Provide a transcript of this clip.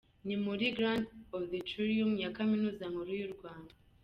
Ni muri Grand Auditorium ya Kaminuza Nkuru yu Rwanda.